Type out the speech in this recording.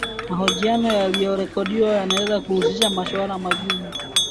mahojiano yaliyorekodiwa yanaweza kuhusisha maswali magumu